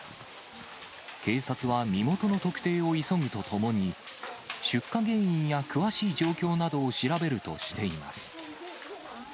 警察は身元の特定を急ぐとともに、出火原因や詳しい状況などを調べるとしています。